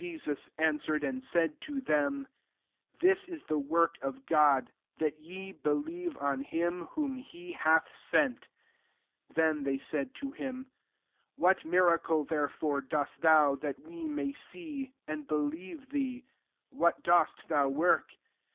29 Jesus answered, and said to them, ^< This is the work of God, that ye believe on him whom he^hath scan*" 30 Then they said to him, " What mi racle, therefore, dost thou, that we may see, and believe thee ? what dost thou work